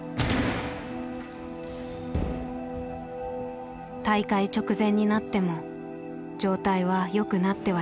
大会直前になっても状態はよくなってはいませんでした。